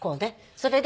それで。